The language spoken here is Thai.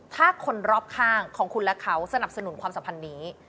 ถ้าคนรอบข้างของคุณและเขาสนับสนุนความสัมพันธ์นี้